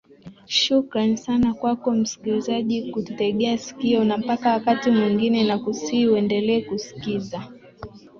shukrani sana kwako msikilizaji kututegea sikio na mpaka wakati mwengine nakusihi uendelee kusikiza